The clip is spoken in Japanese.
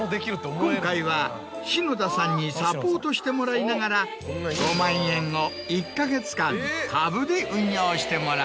今回は篠田さんにサポートしてもらいながら５万円を１か月間株で運用してもらう。